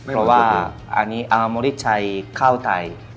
เพราะว่านี่อาวมอนดิ์ใช้ข้าวไทย